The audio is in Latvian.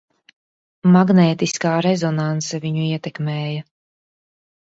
Magnētiskā rezonanse viņu ietekmēja.